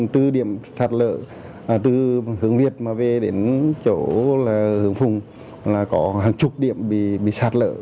từ điểm sạt lợi từ hướng việt mà về đến chỗ là hướng phùng là có hàng chục điểm bị sạt lợi